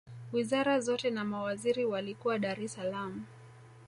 wizara zote na mawaziri walikuwa dar es salaam